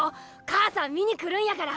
母さん見に来るんやから！